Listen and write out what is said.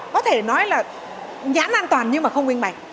có thể nói là nhãn an toàn nhưng mà không minh mạch